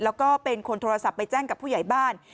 แล้วก็เป็นคนโทรศัพท์ไปแจ้งกับผู้ใหญ่บ้าน